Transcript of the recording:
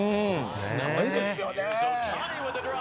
すごいですよね。